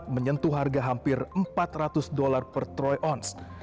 menyentuh harga hampir empat ratus dolar per troy ounce